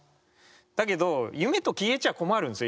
だけど夢と消えちゃ困るんですよ。